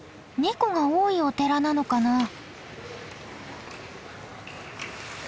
ネコが多いお寺なのかな？